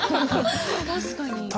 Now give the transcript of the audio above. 確かに。